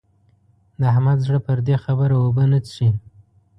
د احمد زړه پر دې خبره اوبه نه څښي.